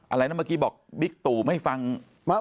อะไรนะเมื่อกี้บอกบิ๊กตู่ไม่ฟัง